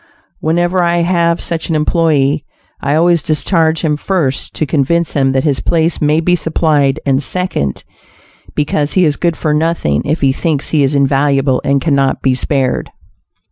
Whenever I have such an employee, I always discharge him; first, to convince him that his place may be supplied, and second, because he is good for nothing if he thinks he is invaluable and cannot be spared.